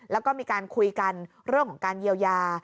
แล้วก็มีการคุยกันเรื่องของการเยียวยา